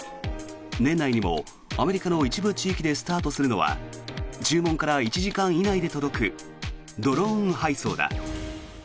年内にもアメリカの一部地域でスタートするのは注文から１時間以内で届くドローン配送だ。